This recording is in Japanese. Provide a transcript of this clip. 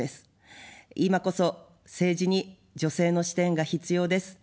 今こそ政治に女性の視点が必要です。